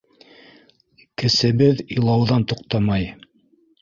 Кесебеҙ илауҙан туҡтамай: